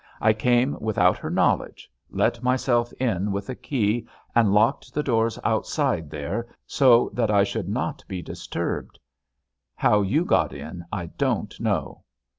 I came without her knowledge—let myself in with a key and locked the doors outside there, so that I should not be disturbed. How you got in I don't know."